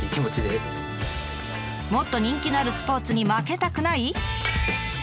もっと人気のあるスポーツに負けたくない？